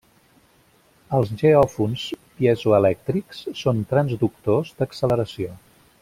Els geòfons piezoelèctrics són transductors d'acceleració.